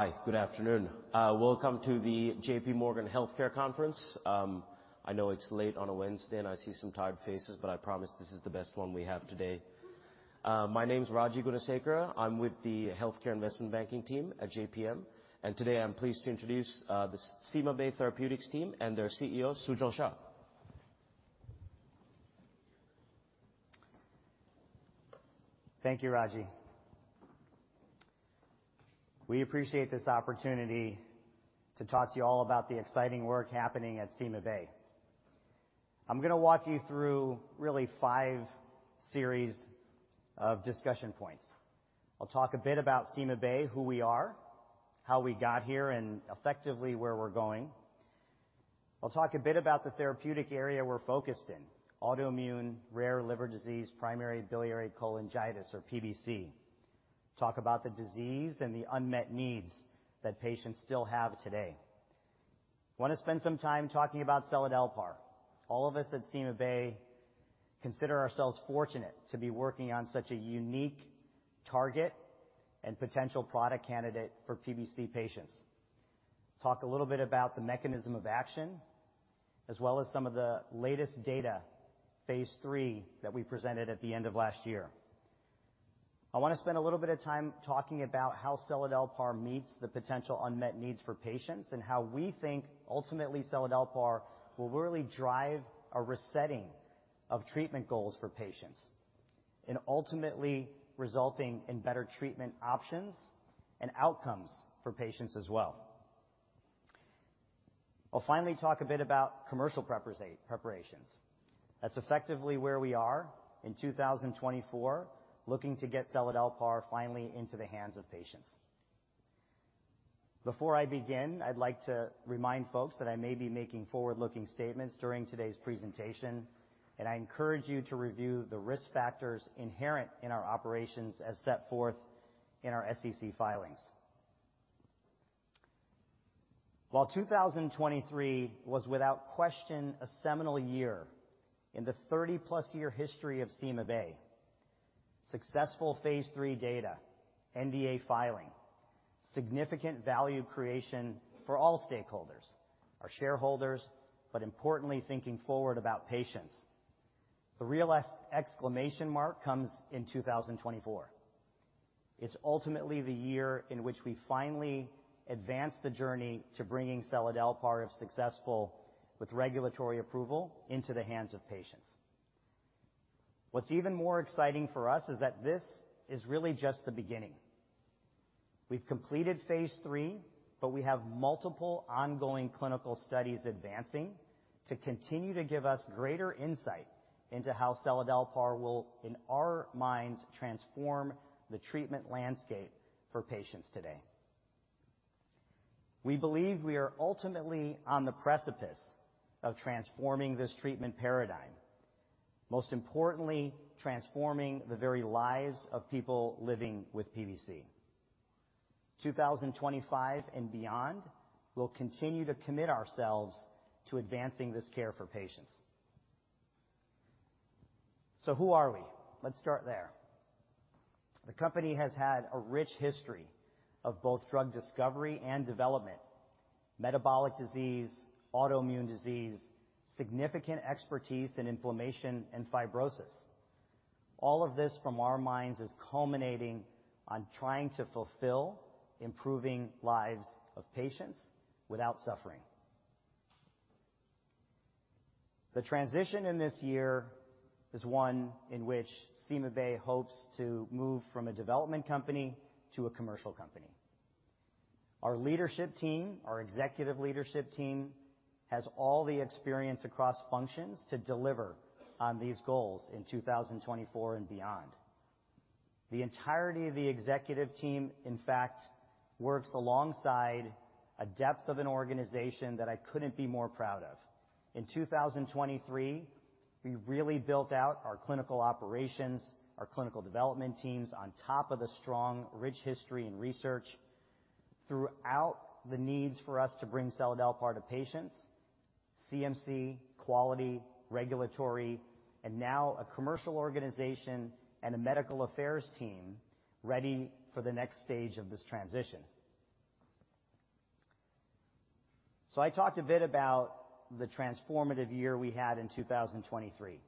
Hi, good afternoon. Welcome to the JPMorgan Healthcare Conference. I know it's late on a Wednesday, and I see some tired faces, but I promise this is the best one we have today. My name's Raji Gunasekera. I'm with the Healthcare Investment Banking Team at JPM, and today I'm pleased to introduce the CymaBay Therapeutics team and their CEO, Sujal Shah. Thank you, Raji. We appreciate this opportunity to talk to you all about the exciting work happening at CymaBay. I'm gonna walk you through really five series of discussion points. I'll talk a bit about CymaBay, who we are, how we got here, and effectively, where we're going. I'll talk a bit about the therapeutic area we're focused in: autoimmune, rare liver disease, primary biliary cholangitis, or PBC. Talk about the disease and the unmet needs that patients still have today. Want to spend some time talking about seladelpar. All of us at CymaBay consider ourselves fortunate to be working on such a unique target and potential product candidate for PBC patients. Talk a little bit about the mechanism of action, as well as some of the latest data, phase III, that we presented at the end of last year. I want to spend a little bit of time talking about how seladelpar meets the potential unmet needs for patients, and how we think ultimately seladelpar will really drive a resetting of treatment goals for patients, and ultimately resulting in better treatment options and outcomes for patients as well. I'll finally talk a bit about commercial preparations. That's effectively where we are in 2024, looking to get seladelpar finally into the hands of patients. Before I begin, I'd like to remind folks that I may be making forward-looking statements during today's presentation, and I encourage you to review the risk factors inherent in our operations as set forth in our SEC filings. While 2023 was, without question, a seminal year in the 30-plus year history of CymaBay, successful phase III data, NDA filing, significant value creation for all stakeholders, our shareholders, but importantly, thinking forward about patients. The real exclamation mark comes in 2024. It's ultimately the year in which we finally advance the journey to bringing seladelpar, if successful, with regulatory approval into the hands of patients. What's even more exciting for us is that this is really just the beginning. We've completed phase III, but we have multiple ongoing clinical studies advancing to continue to give us greater insight into how seladelpar will, in our minds, transform the treatment landscape for patients today. We believe we are ultimately on the precipice of transforming this treatment paradigm, most importantly, transforming the very lives of people living with PBC. 2025 and beyond, we'll continue to commit ourselves to advancing this care for patients. So who are we? Let's start there. The company has had a rich history of both drug discovery and development, metabolic disease, autoimmune disease, significant expertise in inflammation and fibrosis. All of this, from our minds, is culminating on trying to fulfill improving lives of patients without suffering. The transition in this year is one in which CymaBay hopes to move from a development company to a commercial company. Our leadership team, our executive leadership team, has all the experience across functions to deliver on these goals in 2024 and beyond. The entirety of the executive team, in fact, works alongside a depth of an organization that I couldn't be more proud of. In 2023, we really built out our clinical operations, our clinical development teams, on top of the strong, rich history and research throughout the needs for us to bring seladelpar to patients, CMC, quality, regulatory, and now a commercial organization and a medical affairs team ready for the next stage of this transition. So I talked a bit about the transformative year we had in 2023.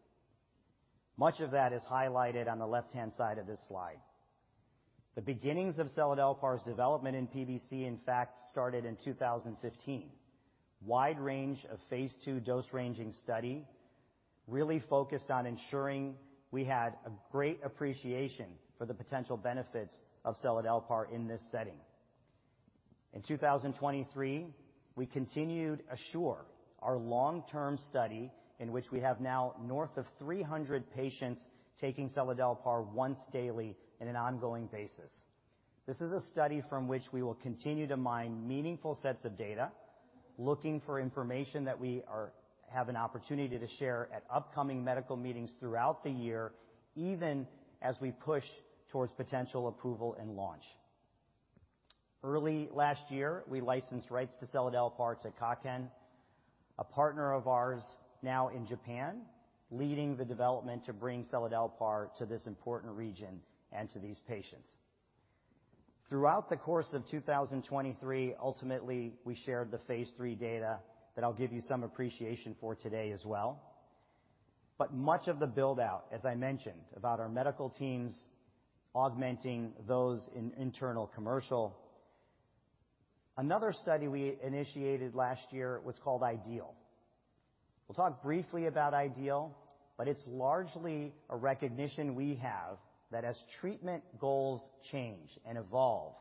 Much of that is highlighted on the left-hand side of this slide. The beginnings of seladelpar's development in PBC, in fact, started in 2015. Wide range of phase II dose-ranging study, really focused on ensuring we had a great appreciation for the potential benefits of seladelpar in this setting. In 2023, we continued ASSURE, our long-term study, in which we have now north of 300 patients taking seladelpar once daily in an ongoing basis. This is a study from which we will continue to mine meaningful sets of data, looking for information that we have an opportunity to share at upcoming medical meetings throughout the year, even as we push towards potential approval and launch. Early last year, we licensed rights to seladelpar to Kaken, a partner of ours now in Japan, leading the development to bring seladelpar to this important region and to these patients. Throughout the course of 2023, ultimately, we shared the phase III data that I'll give you some appreciation for today as well, but much of the build-out, as I mentioned, about our medical teams augmenting those in internal commercial. Another study we initiated last year was called IDEAL. We'll talk briefly about IDEAL, but it's largely a recognition we have that as treatment goals change and evolve,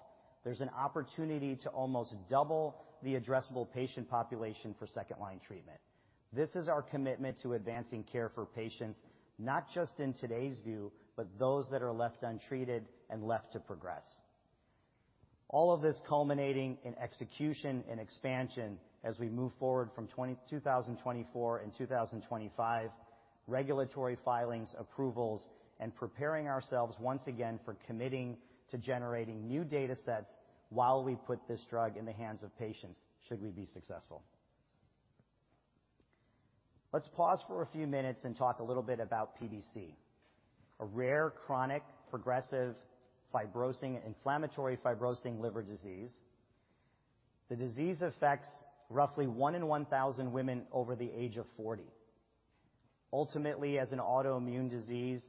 there's an opportunity to almost double the addressable patient population for second line treatment. This is our commitment to advancing care for patients, not just in today's view, but those that are left untreated and left to progress. All of this culminating in execution and expansion as we move forward from 2024 and 2025, regulatory filings, approvals, and preparing ourselves once again for committing to generating new data sets while we put this drug in the hands of patients, should we be successful. Let's pause for a few minutes and talk a little bit about PBC, a rare chronic, progressive, fibrosing, inflammatory fibrosing liver disease. The disease affects roughly 1 in 1,000 women over the age of 40. Ultimately, as an autoimmune disease,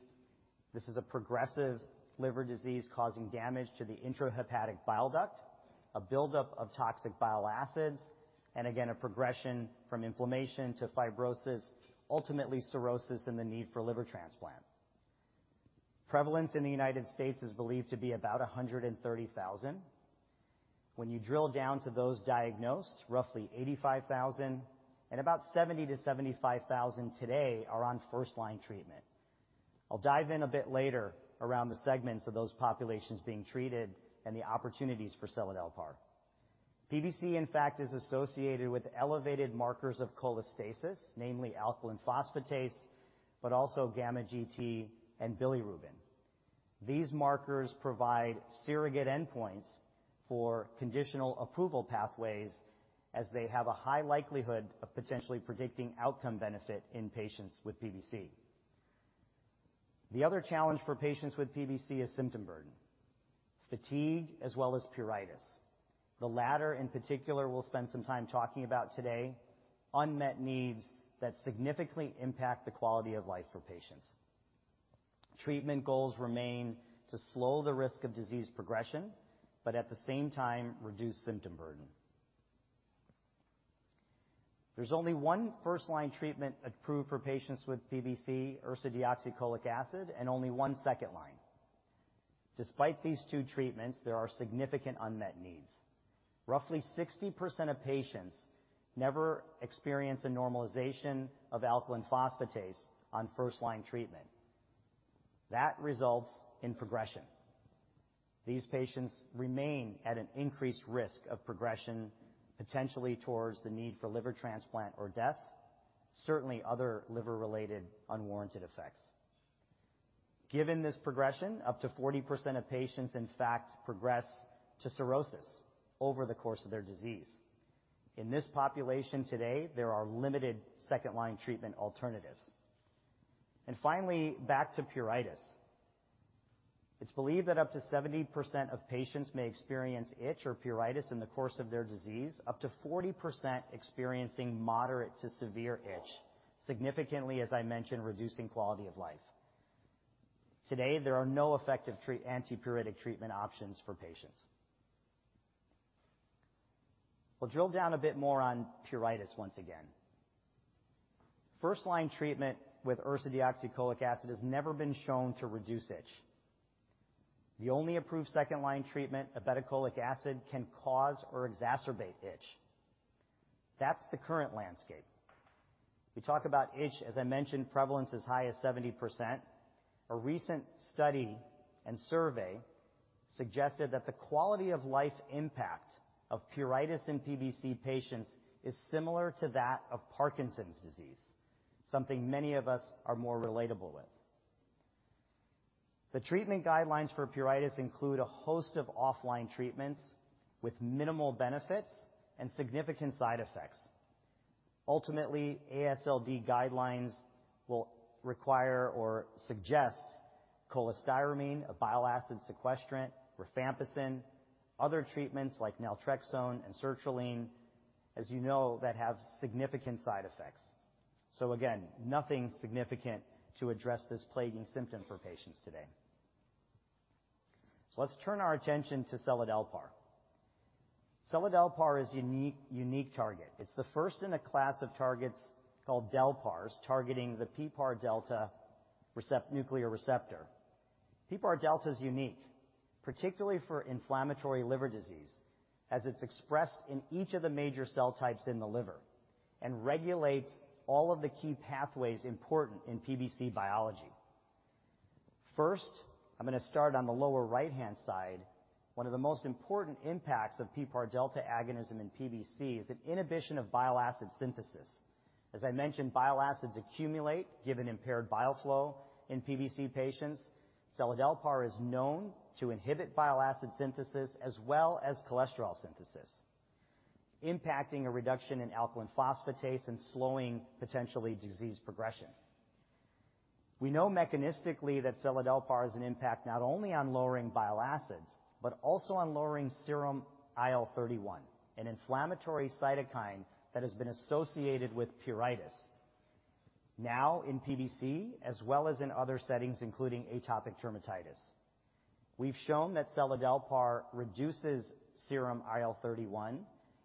this is a progressive liver disease causing damage to the intrahepatic bile duct, a buildup of toxic bile acids, and again, a progression from inflammation to fibrosis, ultimately cirrhosis, and the need for liver transplant. Prevalence in the United States is believed to be about 130,000. When you drill down to those diagnosed, roughly 85,000 and about 70,000-75,000 today are on first-line treatment. I'll dive in a bit later around the segments of those populations being treated and the opportunities for seladelpar. PBC, in fact, is associated with elevated markers of cholestasis, namely alkaline phosphatase, but also gamma GT and bilirubin. These markers provide surrogate endpoints for conditional approval pathways as they have a high likelihood of potentially predicting outcome benefit in patients with PBC. The other challenge for patients with PBC is symptom burden, fatigue, as well as pruritus. The latter, in particular, we'll spend some time talking about today. Unmet needs that significantly impact the quality of life for patients. Treatment goals remain to slow the risk of disease progression, but at the same time, reduce symptom burden. There's only one first-line treatment approved for patients with PBC, ursodeoxycholic acid, and only one second-line. Despite these two treatments, there are significant unmet needs. Roughly 60% of patients never experience a normalization of alkaline phosphatase on first-line treatment. That results in progression. These patients remain at an increased risk of progression, potentially towards the need for liver transplant or death, certainly other liver-related unwarranted effects. Given this progression, up to 40% of patients, in fact, progress to cirrhosis over the course of their disease. In this population today, there are limited second-line treatment alternatives. Finally, back to pruritus. It's believed that up to 70% of patients may experience itch or pruritus in the course of their disease, up to 40% experiencing moderate to severe itch, significantly, as I mentioned, reducing quality of life. Today, there are no effective antipruritic treatment options for patients. We'll drill down a bit more on pruritus once again. First-line treatment with ursodeoxycholic acid has never been shown to reduce itch. The only approved second-line treatment, obeticholic acid, can cause or exacerbate itch. That's the current landscape. We talk about itch, as I mentioned, prevalence as high as 70%. A recent study and survey suggested that the quality-of-life impact of pruritus in PBC patients is similar to that of Parkinson's disease, something many of us are more relatable with. The treatment guidelines for pruritus include a host of offline treatments with minimal benefits and significant side effects. Ultimately, AASLD guidelines will require or suggest cholestyramine, a bile acid sequestrant, rifampicin, other treatments like naltrexone and sertraline, as you know, that have significant side effects. So again, nothing significant to address this plaguing symptom for patients today. So let's turn our attention to seladelpar. Seladelpar is unique, unique target. It's the first in a class of targets called delpars, targeting the PPAR delta nuclear receptor. PPAR delta is unique, particularly for inflammatory liver disease, as it's expressed in each of the major cell types in the liver and regulates all of the key pathways important in PBC biology. First, I'm going to start on the lower right-hand side. One of the most important impacts of PPAR delta agonism in PBC is an inhibition of bile acid synthesis.... As I mentioned, bile acids accumulate given impaired bile flow in PBC patients. Seladelpar is known to inhibit bile acid synthesis as well as cholesterol synthesis, impacting a reduction in alkaline phosphatase and slowing potentially disease progression. We know mechanistically that seladelpar has an impact not only on lowering bile acids, but also on lowering serum IL-31, an inflammatory cytokine that has been associated with pruritus, now in PBC as well as in other settings, including atopic dermatitis. We've shown that seladelpar reduces serum IL-31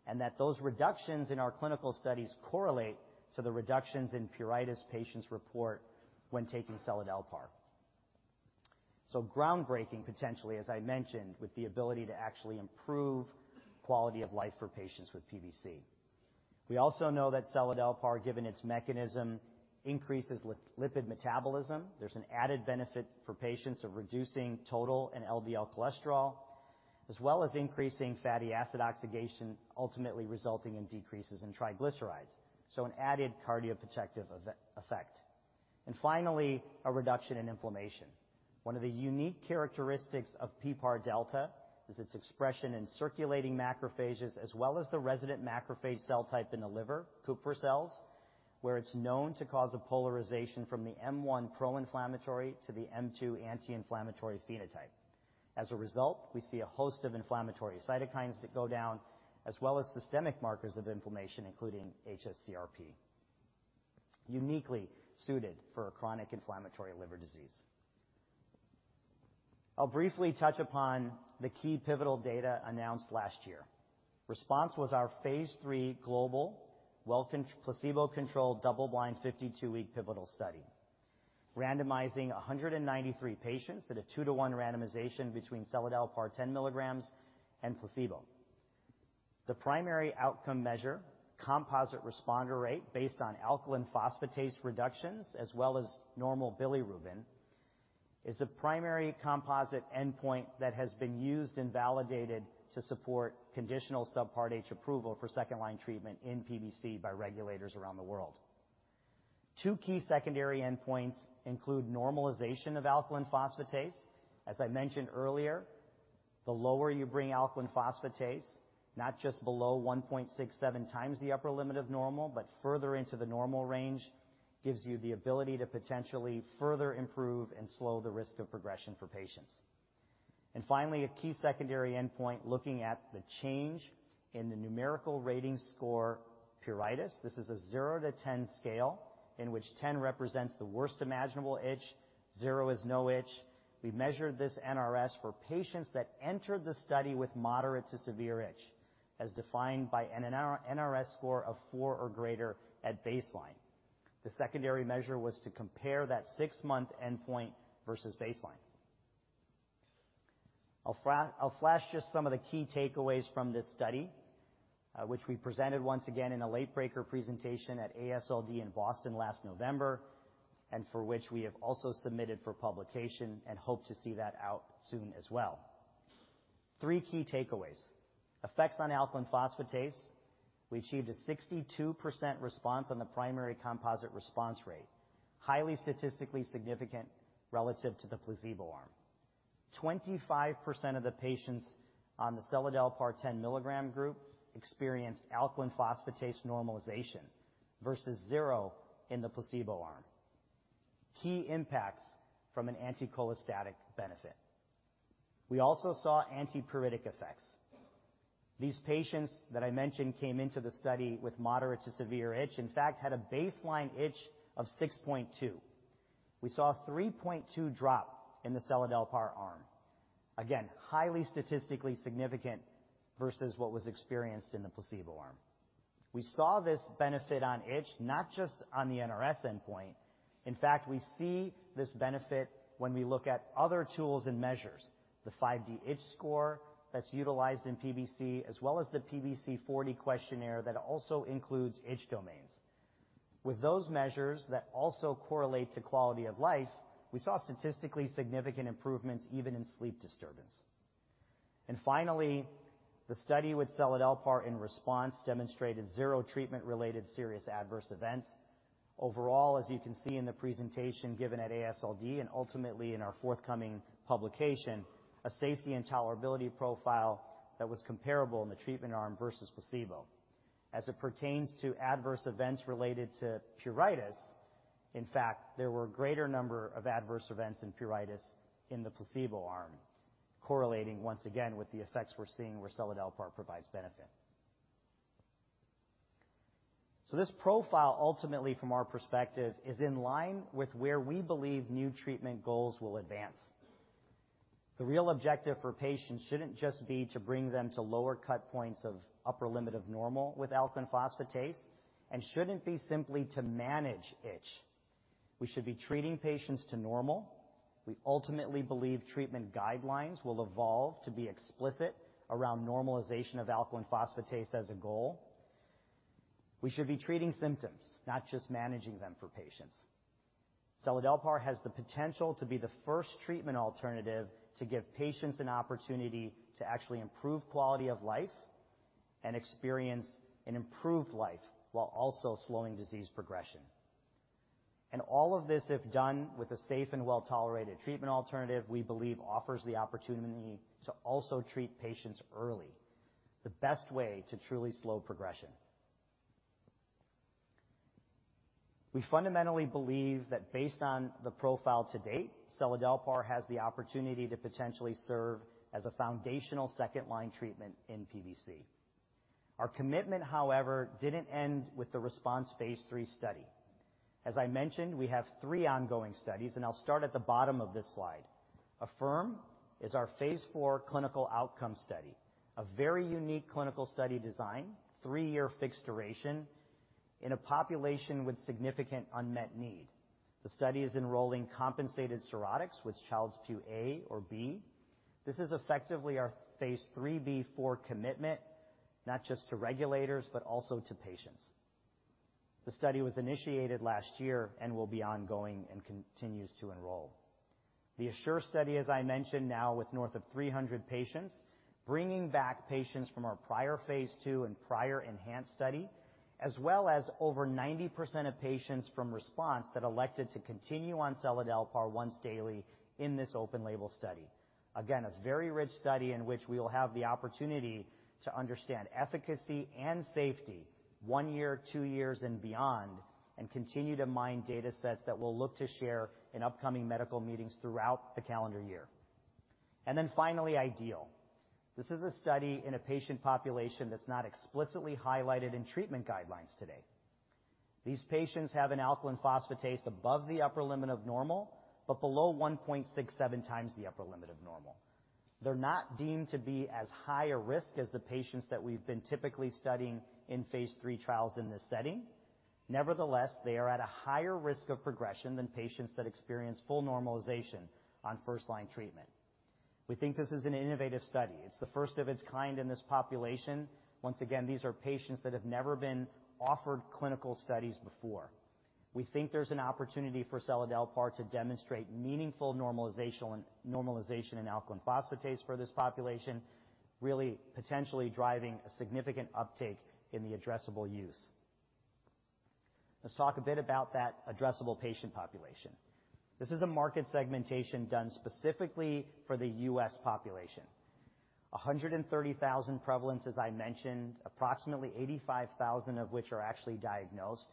and that those reductions in our clinical studies correlate to the reductions in pruritus patients report when taking seladelpar. So groundbreaking, potentially, as I mentioned, with the ability to actually improve quality of life for patients with PBC. We also know that seladelpar, given its mechanism, increases lipid metabolism. There's an added benefit for patients of reducing total and LDL cholesterol, as well as increasing fatty acid oxidation, ultimately resulting in decreases in triglycerides, so an added cardioprotective effect. And finally, a reduction in inflammation. One of the unique characteristics of PPAR delta is its expression in circulating macrophages, as well as the resident macrophage cell type in the liver, Kupffer cells, where it's known to cause a polarization from the M1 pro-inflammatory to the M2 anti-inflammatory phenotype. As a result, we see a host of inflammatory cytokines that go down, as well as systemic markers of inflammation, including hs-CRP. Uniquely suited for a chronic inflammatory liver disease. I'll briefly touch upon the key pivotal data announced last year. RESPONSE was our phase III global, well, placebo-controlled, double-blind, 52-week pivotal study, randomizing 193 patients at a 2-to-1 randomization between seladelpar 10 mg and placebo. The primary outcome measure, composite responder rate based on alkaline phosphatase reductions, as well as normal bilirubin, is a primary composite endpoint that has been used and validated to support conditional Subpart H approval for second-line treatment in PBC by regulators around the world. Two key secondary endpoints include normalization of alkaline phosphatase. As I mentioned earlier, the lower you bring alkaline phosphatase, not just below 1.67x the upper limit of normal, but further into the normal range, gives you the ability to potentially further improve and slow the risk of progression for patients. And finally, a key secondary endpoint looking at the change in the numerical rating score, pruritus. This is a zero to 10 scale in which 10 represents the worst imaginable itch. Zero is no itch. We measured this NRS for patients that entered the study with moderate to severe itch, as defined by an NRS score of 4 or greater at baseline. The secondary measure was to compare that six-month endpoint versus baseline. I'll flash just some of the key takeaways from this study, which we presented once again in a late breaker presentation at AASLD in Boston last November, and for which we have also submitted for publication and hope to see that out soon as well. Three key takeaways. Effects on alkaline phosphatase. We achieved a 62% response on the primary composite response rate, highly statistically significant relative to the placebo arm. 25% of the patients on the seladelpar 10-mg group experienced alkaline phosphatase normalization versus zero in the placebo arm. Key impacts from an anticholestatic benefit. We also saw antipruritic effects. These patients that I mentioned came into the study with moderate to severe itch, in fact, had a baseline itch of 6.2. We saw a 3.2 drop in the seladelpar arm. Again, highly statistically significant versus what was experienced in the placebo arm. We saw this benefit on itch, not just on the NRS endpoint. In fact, we see this benefit when we look at other tools and measures. The 5-D itch score that's utilized in PBC, as well as the PBC-40 questionnaire, that also includes itch domains. With those measures that also correlate to quality of life, we saw statistically significant improvements even in sleep disturbance. And finally, the study with seladelpar in RESPONSE demonstrated 0 treatment-related serious adverse events. Overall, as you can see in the presentation given at AASLD and ultimately in our forthcoming publication, a safety and tolerability profile that was comparable in the treatment arm versus placebo. As it pertains to adverse events related to pruritus, in fact, there were a greater number of adverse events in pruritus in the placebo arm, correlating once again with the effects we're seeing where seladelpar provides benefit. So this profile, ultimately from our perspective, is in line with where we believe new treatment goals will advance. The real objective for patients shouldn't just be to bring them to lower cut points of upper limit of normal with alkaline phosphatase and shouldn't be simply to manage itch. We should be treating patients to normal. We ultimately believe treatment guidelines will evolve to be explicit around normalization of alkaline phosphatase as a goal. We should be treating symptoms, not just managing them for patients... seladelpar has the potential to be the first treatment alternative to give patients an opportunity to actually improve quality of life and experience an improved life while also slowing disease progression. And all of this, if done with a safe and well-tolerated treatment alternative, we believe offers the opportunity to also treat patients early, the best way to truly slow progression. We fundamentally believe that based on the profile to date, seladelpar has the opportunity to potentially serve as a foundational second-line treatment in PBC. Our commitment, however, didn't end with the RESPONSE phase III study. As I mentioned, we have three ongoing studies, and I'll start at the bottom of this slide. AFFIRM is our phase IV clinical outcome study, a very unique clinical study design, three-year fixed duration in a population with significant unmet need. The study is enrolling compensated cirrhotics with Child-Pugh A or B. This is effectively our phase III-B/IV commitment, not just to regulators, but also to patients. The study was initiated last year and will be ongoing and continues to enroll. The ASSURE study, as I mentioned, now with north of 300 patients, bringing back patients from our prior phase II and prior ENHANCE study, as well as over 90% of patients from RESPONSE that elected to continue on seladelpar once daily in this open label study. Again, a very rich study in which we will have the opportunity to understand efficacy and safety one year, two years, and beyond, and continue to mine data sets that we'll look to share in upcoming medical meetings throughout the calendar year. And then finally, IDEAL. This is a study in a patient population that's not explicitly highlighted in treatment guidelines today. These patients have an alkaline phosphatase above the upper limit of normal, but below 1.67x the upper limit of normal. They're not deemed to be as high a risk as the patients that we've been typically studying in phase III trials in this setting. Nevertheless, they are at a higher risk of progression than patients that experience full normalization on first-line treatment. We think this is an innovative study. It's the first of its kind in this population. Once again, these are patients that have never been offered clinical studies before. We think there's an opportunity for seladelpar to demonstrate meaningful normalization, normalization in alkaline phosphatase for this population, really potentially driving a significant uptake in the addressable use. Let's talk a bit about that addressable patient population. This is a market segmentation done specifically for the U.S. population. 130,000 prevalence, as I mentioned, approximately 85,000 of which are actually diagnosed.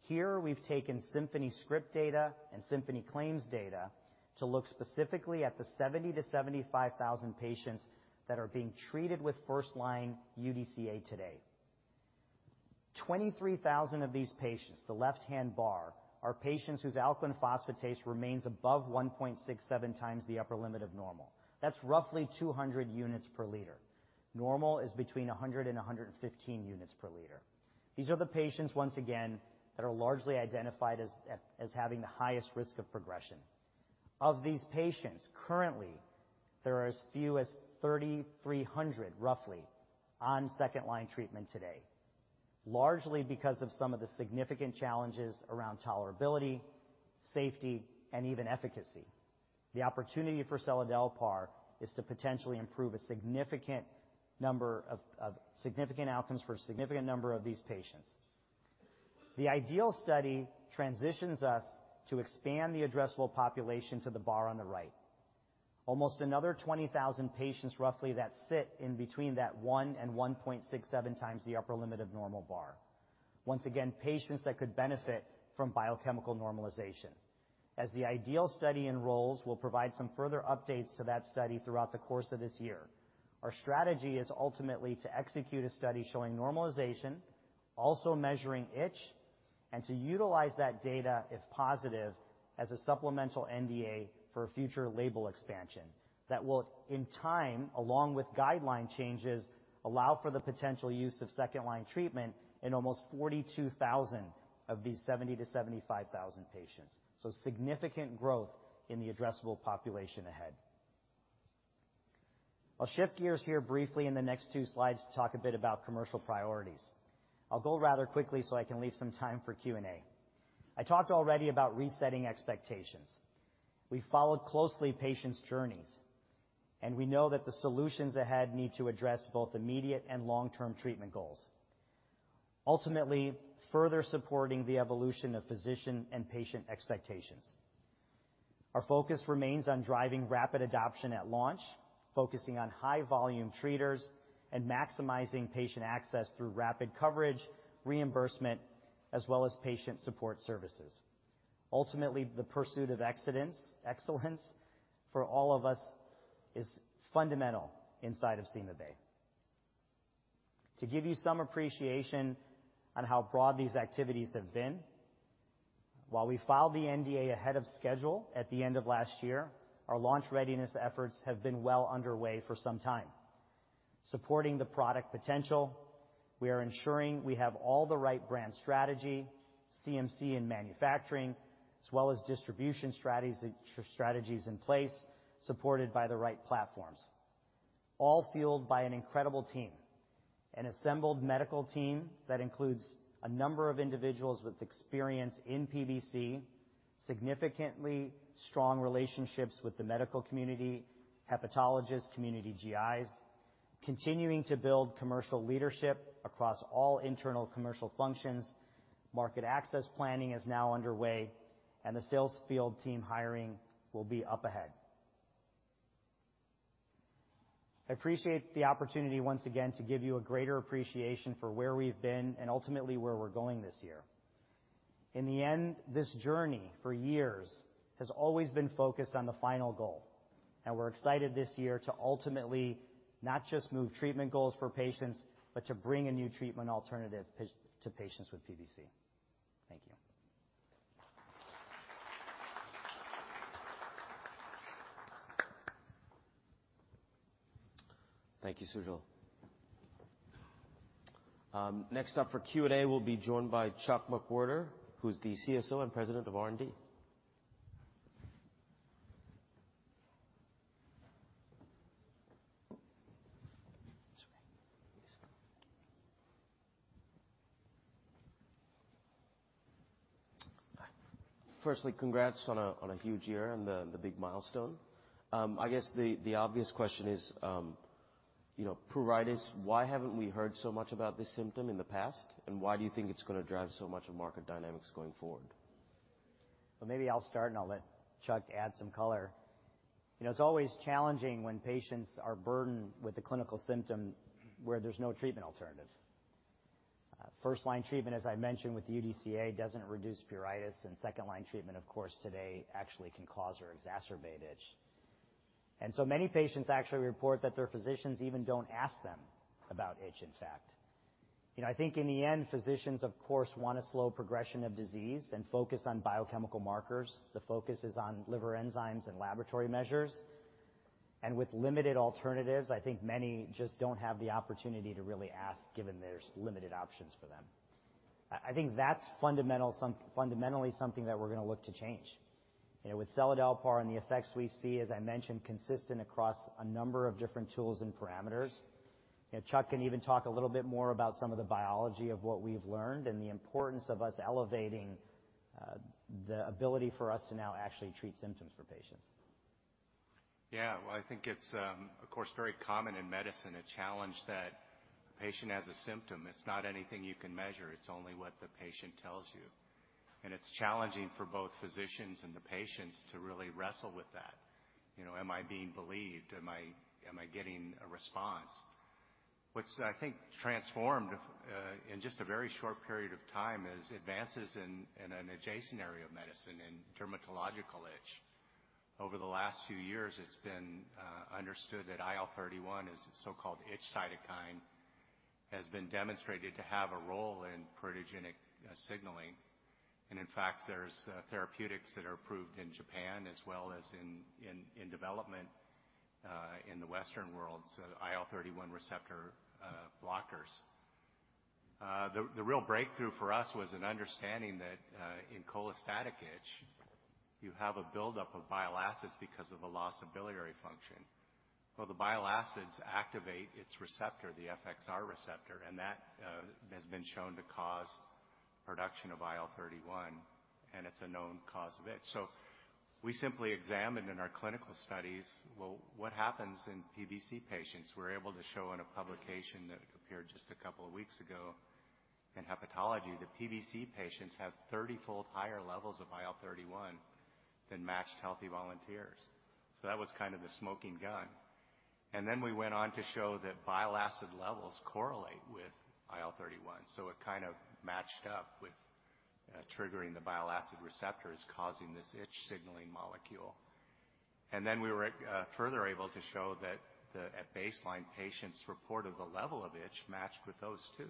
Here, we've taken Symphony script data and Symphony claims data to look specifically at the 70,000-75,000 patients that are being treated with first-line UDCA today. 23,000 of these patients, the left-hand bar, are patients whose alkaline phosphatase remains above 1.67x the upper limit of normal. That's roughly 200 units/L. Normal is between 100 and 115 units/L. These are the patients, once again, that are largely identified as having the highest risk of progression. Of these patients, currently, there are as few as 3,300, roughly, on second-line treatment today, largely because of some of the significant challenges around tolerability, safety, and even efficacy. The opportunity for seladelpar is to potentially improve a significant number of significant outcomes for a significant number of these patients. The IDEAL study transitions us to expand the addressable population to the bar on the right. Almost another 20,000 patients, roughly, that fit in between that 1-1.67x the upper limit of normal bar. Once again, patients that could benefit from biochemical normalization. As the IDEAL study enrolls, we'll provide some further updates to that study throughout the course of this year. Our strategy is ultimately to execute a study showing normalization, also measuring itch, and to utilize that data, if positive, as a supplemental NDA for future label expansion that will, in time, along with guideline changes, allow for the potential use of second-line treatment in almost 42,000 of these 70,000-75,000 patients. So significant growth in the addressable population ahead. I'll shift gears here briefly in the next two slides to talk a bit about commercial priorities. I'll go rather quickly so I can leave some time for Q&A. I talked already about resetting expectations. We followed closely patients' journeys, and we know that the solutions ahead need to address both immediate and long-term treatment goals, ultimately further supporting the evolution of physician and patient expectations. Our focus remains on driving rapid adoption at launch, focusing on high-volume treaters and maximizing patient access through rapid coverage, reimbursement, as well as patient support services. Ultimately, the pursuit of excellence, excellence for all of us, is fundamental inside of CymaBay. To give you some appreciation on how broad these activities have been, while we filed the NDA ahead of schedule at the end of last year, our launch readiness efforts have been well underway for some time. Supporting the product potential, we are ensuring we have all the right brand strategy, CMC, and manufacturing, as well as distribution strategies, strategies in place, supported by the right platforms... all fueled by an incredible team, an assembled medical team that includes a number of individuals with experience in PBC, significantly strong relationships with the medical community, hepatologists, community GIs, continuing to build commercial leadership across all internal commercial functions. Market access planning is now underway, and the sales field team hiring will be up ahead. I appreciate the opportunity once again to give you a greater appreciation for where we've been and ultimately where we're going this year. In the end, this journey for years has always been focused on the final goal, and we're excited this year to ultimately not just move treatment goals for patients, but to bring a new treatment alternative to patients with PBC. Thank you. Thank you, Sujal. Next up for Q&A will be joined by Chuck McWherter, who is the CSO and President of R&D. Firstly, congrats on a huge year and the big milestone. I guess the obvious question is, you know, pruritus, why haven't we heard so much about this symptom in the past? And why do you think it's gonna drive so much of market dynamics going forward? Well, maybe I'll start, and I'll let Chuck add some color. You know, it's always challenging when patients are burdened with a clinical symptom where there's no treatment alternative. First-line treatment, as I mentioned with UDCA, doesn't reduce pruritus, and second-line treatment, of course, today actually can cause or exacerbate itch. And so many patients actually report that their physicians even don't ask them about itch, in fact. You know, I think in the end, physicians, of course, want a slow progression of disease and focus on biochemical markers. The focus is on liver enzymes and laboratory measures, and with limited alternatives, I think many just don't have the opportunity to really ask, given there's limited options for them. I think that's fundamentally something that we're gonna look to change. You know, with seladelpar and the effects we see, as I mentioned, consistent across a number of different tools and parameters. Chuck can even talk a little bit more about some of the biology of what we've learned and the importance of us elevating the ability for us to now actually treat symptoms for patients. Yeah. Well, I think it's, of course, very common in medicine, a challenge that a patient has a symptom. It's not anything you can measure. It's only what the patient tells you. And it's challenging for both physicians and the patients to really wrestle with that. You know, am I being believed? Am I, am I getting a response? What's, I think, transformed in just a very short period of time, is advances in an adjacent area of medicine, in dermatological itch. Over the last few years, it's been understood that IL-31 is a so-called itch cytokine, has been demonstrated to have a role in pruritogenic signaling. And in fact, there's therapeutics that are approved in Japan as well as in development in the Western world, so IL-31 receptor blockers. The real breakthrough for us was an understanding that in cholestatic itch, you have a buildup of bile acids because of a loss of biliary function. Well, the bile acids activate its receptor, the FXR receptor, and that has been shown to cause production of IL-31, and it's a known cause of itch. So we simply examined in our clinical studies, well, what happens in PBC patients? We're able to show in a publication that appeared just a couple of weeks ago in Hepatology, that PBC patients have 30-fold higher levels of IL-31 than matched healthy volunteers. So that was kind of the smoking gun. And then we went on to show that bile acid levels correlate with IL-31, so it kind of matched up with triggering the bile acid receptors, causing this itch-signaling molecule. And then we were further able to show that the baseline patients' report of the level of itch matched with those two.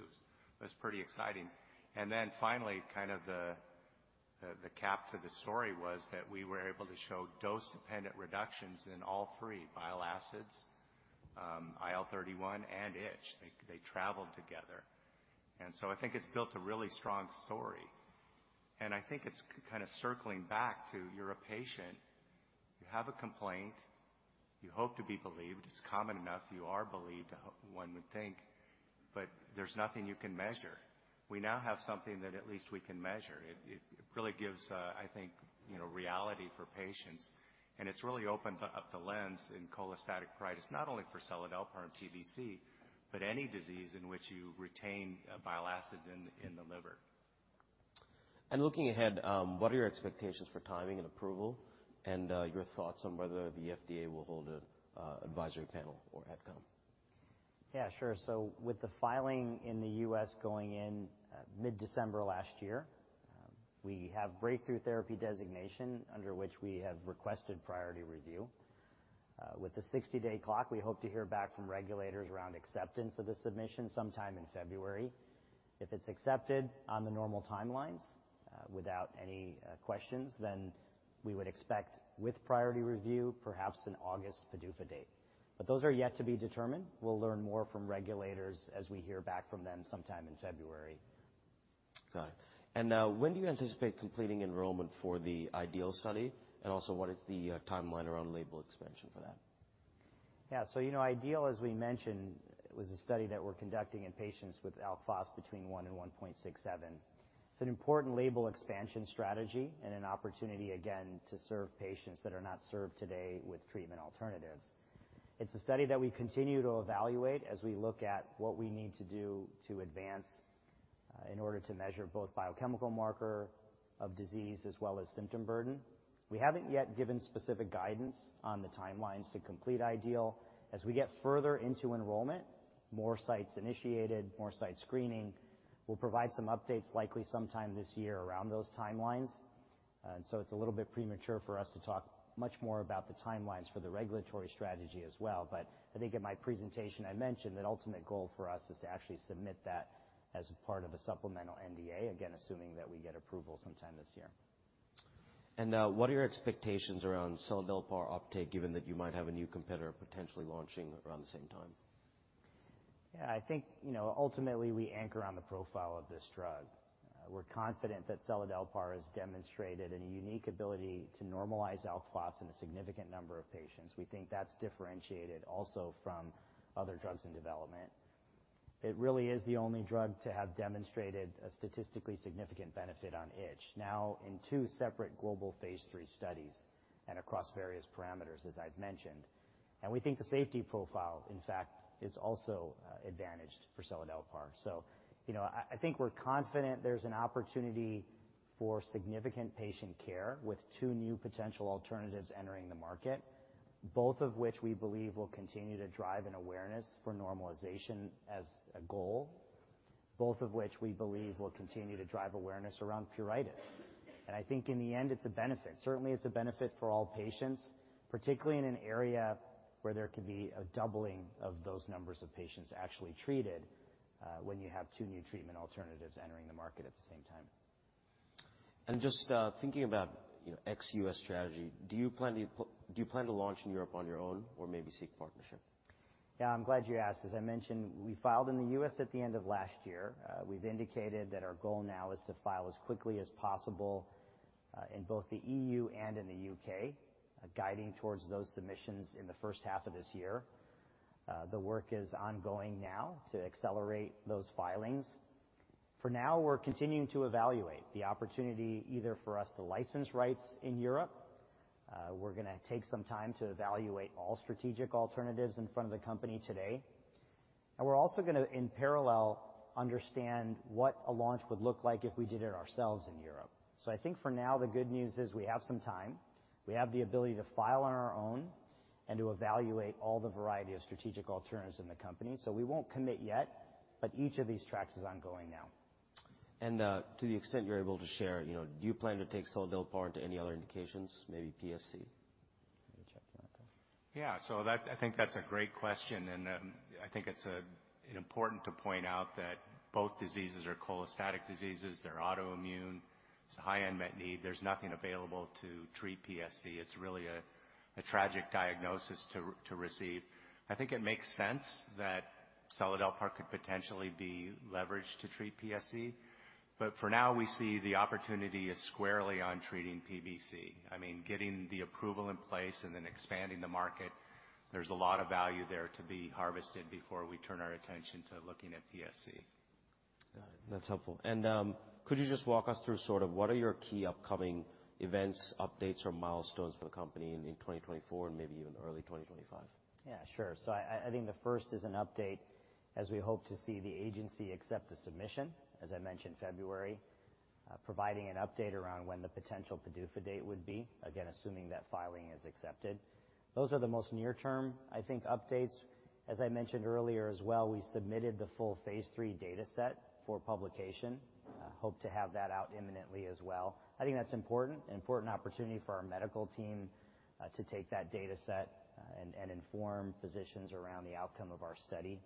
That's pretty exciting. And then finally, kind of the cap to the story was that we were able to show dose-dependent reductions in all three bile acids, IL-31 and itch. They traveled together. And so I think it's built a really strong story, and I think it's kind of circling back to you're a patient. You have a complaint. You hope to be believed. It's common enough you are believed, one would think, but there's nothing you can measure. We now have something that at least we can measure. It really gives, I think, you know, reality for patients, and it's really opened up the lens in cholestatic pruritus, not only for seladelpar and PBC, but any disease in which you retain bile acids in the liver. Looking ahead, what are your expectations for timing and approval, and your thoughts on whether the FDA will hold an advisory panel or AdCom? Yeah, sure. So with the filing in the U.S. going in, mid-December last year, we have Breakthrough Therapy Designation, under which we have requested Priority Review. With the 60-day clock, we hope to hear back from regulators around acceptance of the submission sometime in February. If it's accepted on the normal timelines, without any questions, then we would expect, with Priority Review, perhaps an August PDUFA date. But those are yet to be determined. We'll learn more from regulators as we hear back from them sometime in February.... Got it. And, when do you anticipate completing enrollment for the IDEAL study? And also, what is the timeline around label expansion for that? Yeah, so, you know, IDEAL, as we mentioned, was a study that we're conducting in patients with Alk Phos between 1 and 1.67. It's an important label expansion strategy and an opportunity, again, to serve patients that are not served today with treatment alternatives. It's a study that we continue to evaluate as we look at what we need to do to advance in order to measure both biochemical marker of disease as well as symptom burden. We haven't yet given specific guidance on the timelines to complete IDEAL. As we get further into enrollment, more sites initiated, more site screening, we'll provide some updates likely sometime this year around those timelines. And so it's a little bit premature for us to talk much more about the timelines for the regulatory strategy as well. I think in my presentation, I mentioned that ultimate goal for us is to actually submit that as a part of a supplemental NDA, again, assuming that we get approval sometime this year. What are your expectations around seladelpar uptake, given that you might have a new competitor potentially launching around the same time? Yeah, I think, you know, ultimately, we anchor on the profile of this drug. We're confident that seladelpar has demonstrated a unique ability to normalize Alk Phos in a significant number of patients. We think that's differentiated also from other drugs in development. It really is the only drug to have demonstrated a statistically significant benefit on itch, now in two separate global phase three studies and across various parameters, as I've mentioned. And we think the safety profile, in fact, is also advantaged for seladelpar. So, you know, I think we're confident there's an opportunity for significant patient care with two new potential alternatives entering the market, both of which we believe will continue to drive an awareness for normalization as a goal, both of which we believe will continue to drive awareness around pruritus. And I think in the end, it's a benefit. Certainly, it's a benefit for all patients, particularly in an area where there could be a doubling of those numbers of patients actually treated, when you have two new treatment alternatives entering the market at the same time. Just thinking about, you know, ex-U.S. strategy, do you plan to launch in Europe on your own or maybe seek partnership? Yeah, I'm glad you asked. As I mentioned, we filed in the US at the end of last year. We've indicated that our goal now is to file as quickly as possible in both the EU and in the U.K., guiding towards those submissions in the first half of this year. The work is ongoing now to accelerate those filings. For now, we're continuing to evaluate the opportunity either for us to license rights in Europe. We're gonna take some time to evaluate all strategic alternatives in front of the company today. And we're also gonna, in parallel, understand what a launch would look like if we did it ourselves in Europe. So I think for now, the good news is we have some time. We have the ability to file on our own and to evaluate all the variety of strategic alternatives in the company. We won't commit yet, but each of these tracks is ongoing now. To the extent you're able to share, you know, do you plan to take seladelpar into any other indications, maybe PSC? Maybe check that out. Yeah. So I think that's a great question, and I think it's important to point out that both diseases are cholestatic diseases. They're autoimmune. It's a high unmet need. There's nothing available to treat PSC. It's really a tragic diagnosis to receive. I think it makes sense that seladelpar could potentially be leveraged to treat PSC, but for now, we see the opportunity as squarely on treating PBC. I mean, getting the approval in place and then expanding the market, there's a lot of value there to be harvested before we turn our attention to looking at PSC. Got it. That's helpful. Could you just walk us through sort of what are your key upcoming events, updates, or milestones for the company in 2024 and maybe even early 2025? Yeah, sure. So I think the first is an update as we hope to see the agency accept the submission, as I mentioned, February, providing an update around when the potential PDUFA date would be, again, assuming that filing is accepted. Those are the most near-term, I think, updates. As I mentioned earlier as well, we submitted the full phase three dataset for publication. Hope to have that out imminently as well. I think that's important, an important opportunity for our medical team, to take that dataset, and inform physicians around the outcome of our study,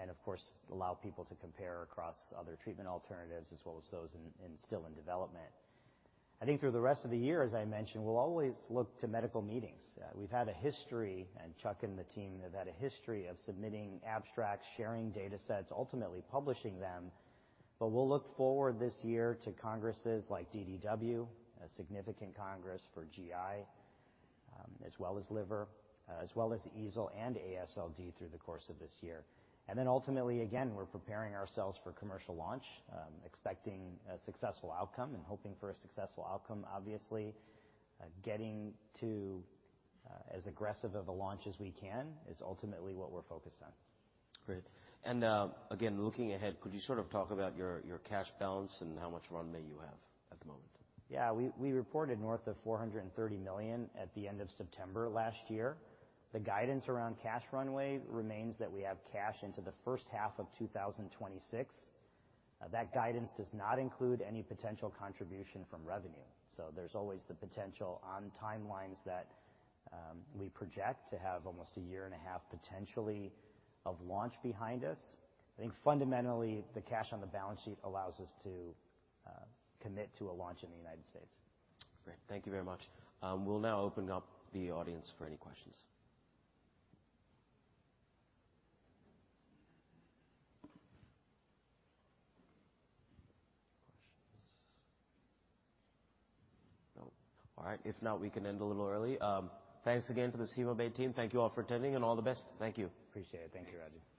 and of course, allow people to compare across other treatment alternatives as well as those in still in development. I think through the rest of the year, as I mentioned, we'll always look to medical meetings. We've had a history, and Chuck and the team have had a history of submitting abstracts, sharing datasets, ultimately publishing them, but we'll look forward this year to congresses like DDW, a significant congress for GI, as well as liver, as well as EASL and AASLD through the course of this year. And then ultimately, again, we're preparing ourselves for commercial launch, expecting a successful outcome and hoping for a successful outcome. Obviously, getting to, as aggressive of a launch as we can is ultimately what we're focused on. Great. And, again, looking ahead, could you sort of talk about your, your cash balance and how much runway you have at the moment? Yeah. We, we reported north of $430 million at the end of September last year. The guidance around cash runway remains that we have cash into the first half of 2026. That guidance does not include any potential contribution from revenue, so there's always the potential on timelines that we project to have almost a year and a half, potentially, of launch behind us. I think fundamentally, the cash on the balance sheet allows us to commit to a launch in the United States. Great. Thank you very much. We'll now open up the audience for any questions. Questions? No. All right, if not, we can end a little early. Thanks again to the CymaBay team. Thank you all for attending and all the best. Thank you. Appreciate it. Thank you, Raji.